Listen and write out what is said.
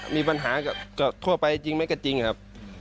มีปัญหากับทั่วไปจริงไหมก็จริงครับ